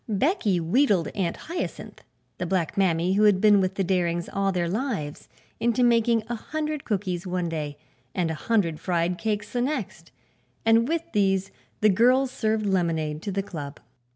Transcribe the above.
Becky wheedled Aunt Hyacinth, the black mammy who had been with the Darings all their lives, into making a hundred cookies one day and a hundred fried cakes the next, and with these the girls served lemonade to the Club.